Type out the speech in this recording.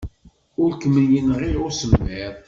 Ur kem-yenɣi usemmiḍ.